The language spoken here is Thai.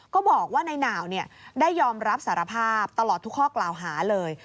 ก็บอกว่านายหนาวได้ยอมรับสารภาพตลอดทุกข้อกล่าวหาเลย